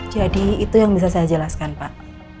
jadi itu yang bisa saya jelaskan pak